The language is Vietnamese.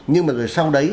nhưng mà rồi sau đấy